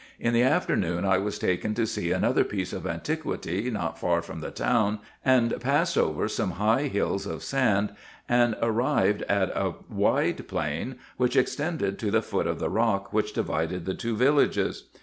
In the afternoon, I was taken to see another piece of antiquity not far from the town, and passed over some high hills of sand, and arrived at a wide plain which extended to the foot of IN EGYPT, NUBIA, &c. 411 the rock which divided the two villages.